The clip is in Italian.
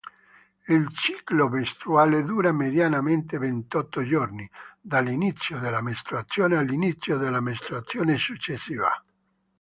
Il ciclo mestruale dura mediamente ventotto giorni, dall'inizio della mestruazione all'inizio della mestruazione successiva.